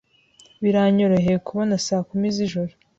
Biranyoroheye kukubona saa kumi z'ijoro.